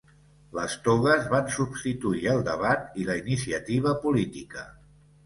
Les togues van substituir el debat i la iniciativa política.